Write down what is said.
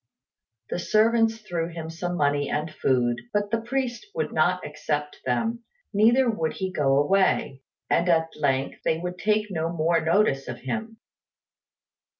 The servants threw him some money and food, but the priest would not accept them, neither would he go away; and at length they would take no more notice of him.